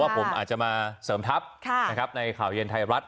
ผมอาจจะมาเสริมทัพในข่าวเย็นไทยรัฐ